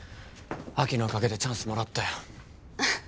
晶のおかげでチャンスもらったよ